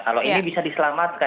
kalau ini bisa diselamatkan